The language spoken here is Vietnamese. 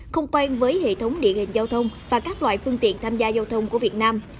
không quen với hệ thống địa hình giao thông và các loại phương tiện tham gia giao thông của việt nam